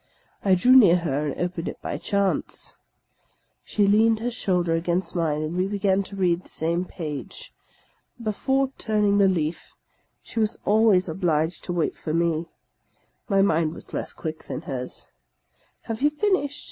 I drew near her, and opened it by chance. She leaned her shoulder against mine, and we began to read the same page. Before turning the leaf, she was always obliged to wait for me. My mind was less quick than hers. "Have you finished?"